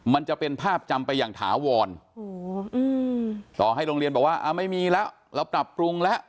มันจะเป็นภาพจำไปอย่างถาวรต่อให้โรงเรียนบอกว่าไม่มีแล้วเราปรับปรุงแล้ว